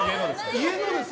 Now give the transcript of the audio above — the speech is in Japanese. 家のです。